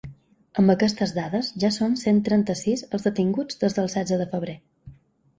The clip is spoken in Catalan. Amb aquestes dades ja són cent trenta-sis els detinguts des del setze de febrer.